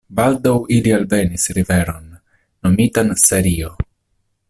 Baldaŭ ili alvenis riveron, nomitan Serio.